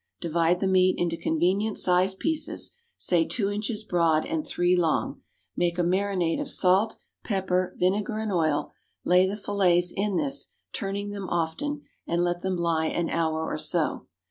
Divide the meat into convenient sized pieces, say two inches broad and three long, make a marinade of salt, pepper, vinegar, and oil, lay the fillets in this, turning them often, and let them lie an hour or so.